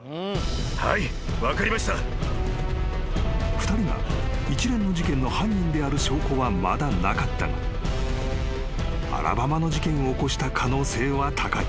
［２人が一連の事件の犯人である証拠はまだなかったがアラバマの事件を起こした可能性は高い］